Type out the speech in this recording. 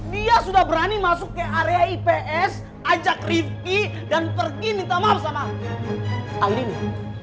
dia sudah berani masuk ke area ips ajak rifki dan pergi minta maaf sama aldino